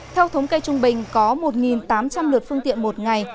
theo thống kê trung bình có một tám trăm linh lượt phương tiện một ngày